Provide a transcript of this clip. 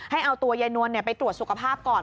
ให้เอาตัวยายนวลไปตรวจสุขภาพก่อน